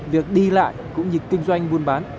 việc đi lại cũng như kinh doanh buôn bán